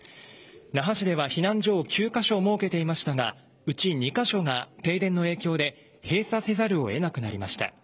那覇市では避難所を９カ所設けていましたがうち２カ所が停電の影響で閉鎖せざるを得なくなりました。